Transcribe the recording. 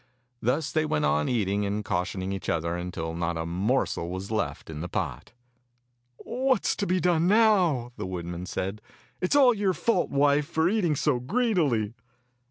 Thus they went on eating and cautioning each other until not a morsel was left in the pot. "What is to be done now.^" the woodman said. "It is all your fault, wife, for eating so greedily."